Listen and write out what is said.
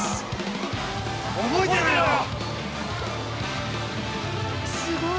覚えてろよ！